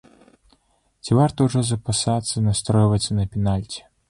Ці варта ўжо запасацца настройвацца на пенальці?